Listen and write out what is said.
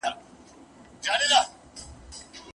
خو زړه مې ټول خولې ـ خولې هغه مې بيا ياديږي